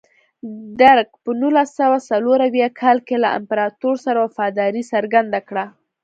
درګ په نولس سوه څلور اویا کال کې له امپراتور سره وفاداري څرګنده کړه.